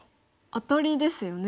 アタリですよね